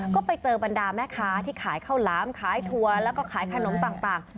ก็ไปเจอบรรดาแม่ค้าที่ขายข้าวหลามขายทัวร์แล้วก็ขายขนมต่าง